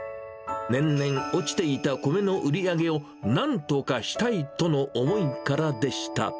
年々落ちていた米の売り上げをなんとかしたいとの思いからでした。